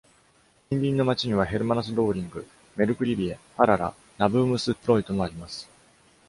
近隣の町には、ヘルマナスドーリング、メルクリビエ、パララ、ナブームスプロイトもあります。